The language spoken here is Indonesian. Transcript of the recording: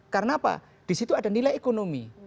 karena apa disitu ada nilai ekonomi